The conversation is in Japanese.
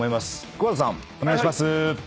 久保田さんお願いします。